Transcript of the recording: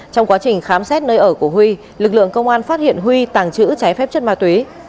trong quá trình khám xét nơi ở của huy lực lượng công an phát hiện huy tàng trữ trái phép chất ma túy